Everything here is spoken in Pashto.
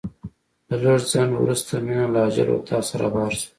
له لږ ځنډ وروسته مينه له عاجل اتاق څخه رابهر شوه.